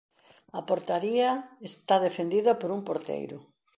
A portaría está defendida por un porteiro.